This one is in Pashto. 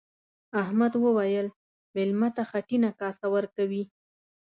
احمد وويل: مېلمه ته خټینه کاسه ورکوي.